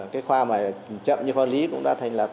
cái khoa mà chậm như khoa lý cũng đã thành lập